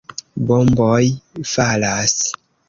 Bomboj falas.